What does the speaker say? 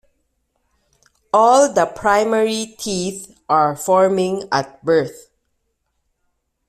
All the primary teeth are forming at birth.